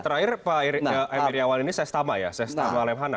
terakhir pak irawan ini sestama ya sestama lemhana